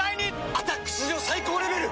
「アタック」史上最高レベル！